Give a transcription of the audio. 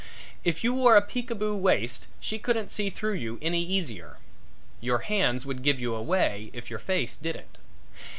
If you wore a peekaboo waist she couldn't see through you any easier. Your hands would give you away if your face didn't.